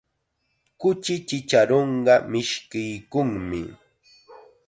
Kuchi chacharunqa mishkiykunmi.